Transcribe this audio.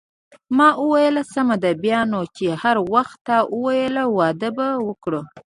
ما وویل: سمه ده، بیا نو چې هر وخت تا وویل واده به وکړو.